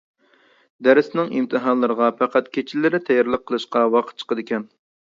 دەرسنىڭ ئىمتىھانلىرىغا پەقەت كېچىلىرى تەييارلىق قىلىشقا ۋاقىت چىقىدىكەن.